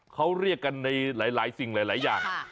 เขาเรียกกันในหลายสิ่งหลายอย่าง